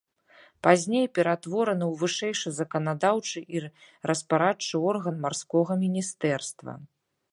Пазней ператвораны ў вышэйшы заканадаўчы і распарадчы орган марскога міністэрства.